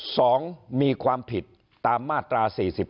สองมีความผิดตามมาตรา๔๔